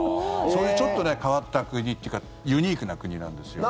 そういうちょっと変わった国というかユニークな国なんですよ。